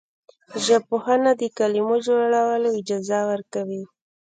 ژبپوهنه د کلمو جوړول اجازه ورکوي.